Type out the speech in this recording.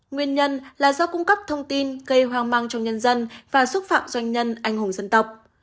nguyên nhân là do cung cấp thông tin gây hoang mang trong nhân dân và xúc phạm doanh nhân anh hùng dân tộc